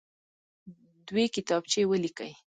دوې کتابچې ولیکئ.